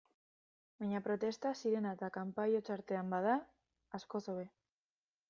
Baina protesta, sirena eta kanpai hots artean bada, askoz hobe.